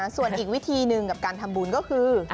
ส่วนอีกวิธีหนึ่งกับการทำบุญก็คือ